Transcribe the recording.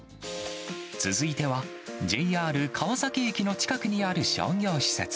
続いては、ＪＲ川崎駅の近くにある商業施設。